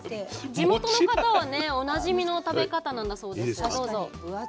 地元の方はねおなじみの食べ方なんだそうです。